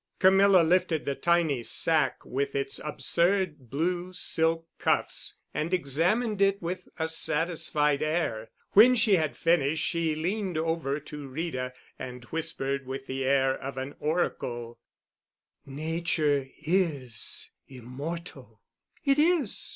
Camilla lifted the tiny sacque with its absurd blue silk cuffs and examined it with a satisfied air. When she had finished she leaned over to Rita and whispered with the air of an oracle: "Nature is—immortal." "It is.